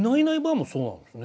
もそうなんですね。